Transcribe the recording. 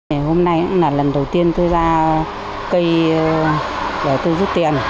hôm nay là lần đầu tiên tôi ra cây để tôi rút tiền